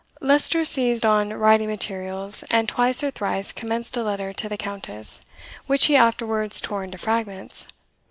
Leicester seized on writing materials, and twice or thrice commenced a letter to the Countess, which he afterwards tore into fragments.